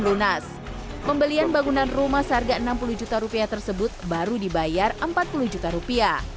lunas pembelian bangunan rumah seharga enam puluh juta rupiah tersebut baru dibayar empat puluh juta rupiah